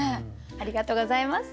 ありがとうございます。